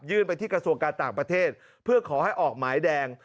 ไปที่กระทรวงการต่างประเทศเพื่อขอให้ออกหมายแดง